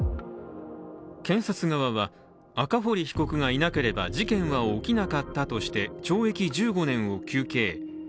検察側は、赤堀被告がいなければ事件は起きなかったとして懲役１５年を求刑。